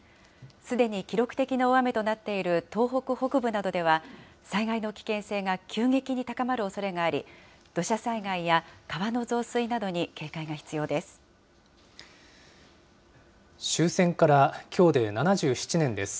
すでに記録的な大雨となっている東北北部などでは、災害の危険性が急激に高まるおそれがあり、土砂災害や川の増水などに警戒が必要です。